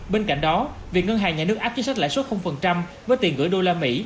bên cạnh đó việc ngân hàng nhà nước áp chính sách lãi suất với tiền gửi đô la mỹ